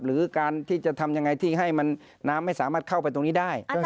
หรือการที่จะทำยังไงที่ให้น้ำไม่สามารถเข้าไปตรงนี้ได้